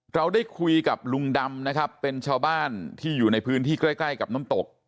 เราได้คุยกับลุงดำนะครับเป็นชาวบ้านที่อยู่ในพื้นที่ใกล้ใกล้กับน้ำตก